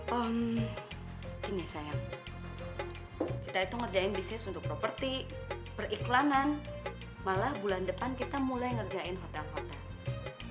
hmm gini sayang kita itu ngerjain bisnis untuk properti periklanan malah bulan depan kita mulai ngerjain hodang hodang